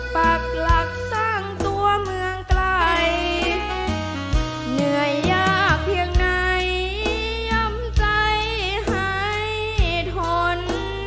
ปากหลักสร้างตัวเมืองไกลเหนื่อยยากเพียงไหนย้ำใจให้ทน